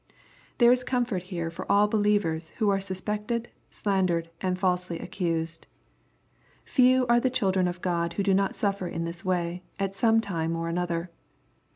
There is comfort here for all believers who aie sus pected, slandered, arid falsely accused. Few are the children of God who do not suffer in this wav, at some time or other.